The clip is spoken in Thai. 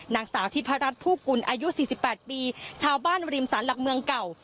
นางสาวธิพรรดิผู้กุลอายุสี่สิบแปดปีชาวบ้านริมศาลหลักเมืองเก่า